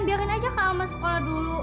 biarin aja kak sama sekolah dulu